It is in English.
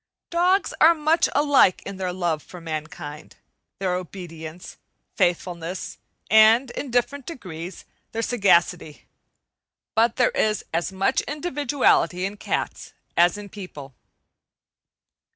Dogs are much alike in their love for mankind, their obedience, faithfulness, and, in different degrees, their sagacity. But there is as much individuality in cats as in people.